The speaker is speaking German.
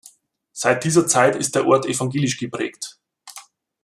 Seit dieser Zeit ist der Ort evangelisch geprägt.